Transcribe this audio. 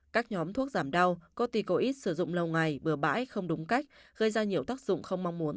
các nhóm thuốc giảm đau conticoid sử dụng lâu ngày bừa bãi không đúng cách gây ra nhiều tác dụng không mong muốn